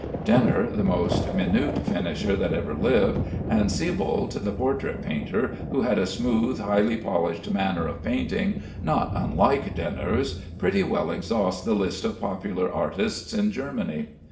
Denner, the most minute finisher that ever lived, and Sieboldt the portrait painter, who had a smooth, highly polished manner of painting (not unlike Denner's), pretty well exhaust the list of popular artists in Germany.